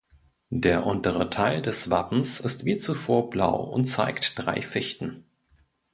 Der untere Teil des Wappens ist wie zuvor blau und zeigt drei Fichten.